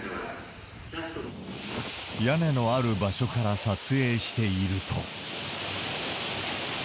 屋根のある場所から撮影していると。